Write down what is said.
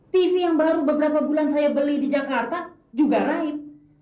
tv yang baru beberapa bulan saya beli di jakarta juga rahim